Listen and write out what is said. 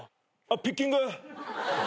ピッキング。